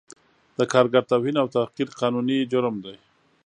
د کارګر توهین او تحقیر قانوني جرم دی